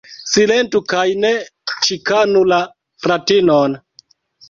Silentu kaj ne ĉikanu la fratinon!